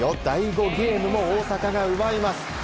第５ゲームも大坂が奪います。